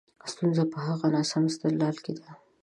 ستونزه په هغه ناسم استدلال کې ده.